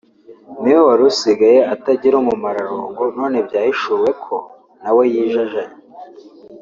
ni we wari usigaye atagira umumararungu none byahishuwe ko na we yijajaye